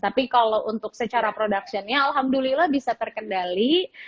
tapi kalau untuk secara productionnya alhamdulillah bisa terkendali